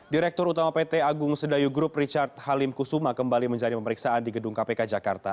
direktur utama pt agung sedayu group richard halim kusuma kembali menjalani pemeriksaan di gedung kpk jakarta